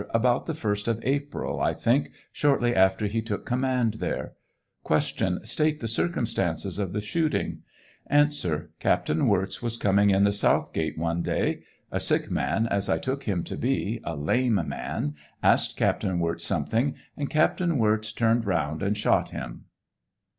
About the first of April, I think, shortly after he took command there. Q. State the circumstances of the shooting. A. Captain Wirz was coming in the south gate one day. A sick man, as I took him to be — a lame man — asked Captain Wirz something, and Captain Wirz turnd round and shot him.